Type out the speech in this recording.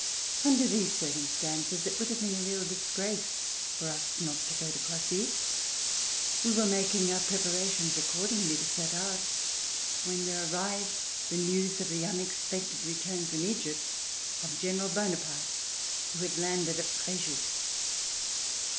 Under these circumstances, it would have been a real disgrace for us not to go to Cossey. We were making our preparations accordingly to set out, when there arrived the news of the unexpected return from Egyj)t of General Bonaparte who had landed at Frejus.